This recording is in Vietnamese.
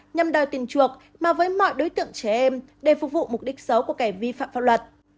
nhằm đòi tiền chuộc mà với mọi đối tượng trẻ em để phục vụ mục đích xấu của kẻ vi phạm pháp luật